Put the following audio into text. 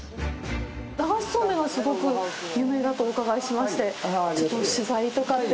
流しそうめんがすごく有名だとお伺いしましてちょっと取材とかって。